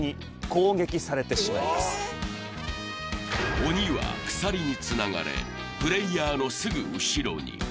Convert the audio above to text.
鬼は鎖につながれ、プレーヤーのすぐ後ろに。